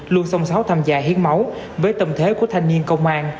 luôn song sáu tham gia hiến máu với tâm thế của thanh niên công an